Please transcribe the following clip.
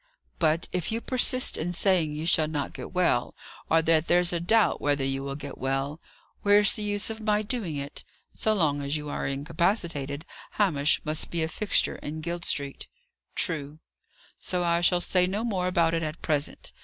"But, if you persist in saying you shall not get well, or that there's a doubt whether you will get well, where's the use of my doing it? So long as you are incapacitated, Hamish must be a fixture in Guild Street." "True." "So I shall say no more about it at present.